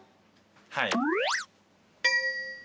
はい。